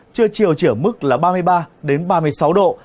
chưa chiều chỉ ở mức là ba mươi ba ba mươi sáu độ